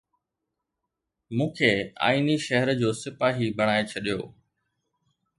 مون کي آئيني شهر جو سپاهي بڻائي ڇڏيو